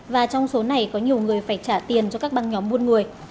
và trong số này có nhiều người phải trả tiền cho các băng nhóm buôn người